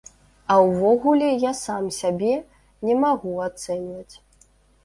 А ўвогуле, я сам сябе не магу ацэньваць.